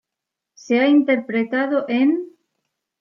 Se ha interpretado enː